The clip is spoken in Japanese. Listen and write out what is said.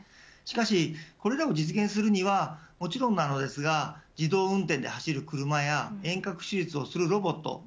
しかし、これらを実現するにはもちろんですが自動運転で走る車や遠隔手術をするロボット